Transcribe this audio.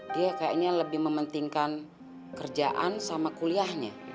dia kayaknya lebih mementingkan kerjaan sama kuliahnya